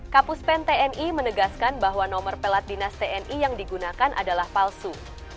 kapus pen tni menegaskan bahwa nomor pelat dinas tni yang digunakan adalah palsu